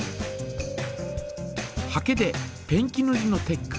ハケでペンキぬりのテック。